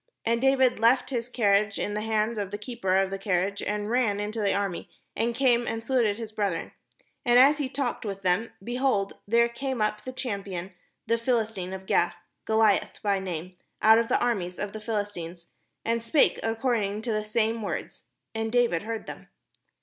And David left his carriage in the hand of the keeper of the carriage, and ran into the army, and came and saluted his brethren. And as he talked with them, behold, there came up the champion, the Philistine of Gath, Goliath by name, out of the arm ies of the Philistines, and spake according to the same words: and David heard them.